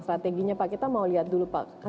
strateginya pak kita mau lihat dulu pak